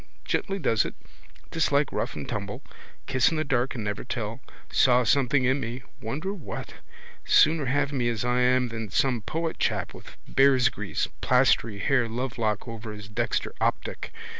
Gently does it. Dislike rough and tumble. Kiss in the dark and never tell. Saw something in me. Wonder what. Sooner have me as I am than some poet chap with bearsgrease plastery hair, lovelock over his dexter optic.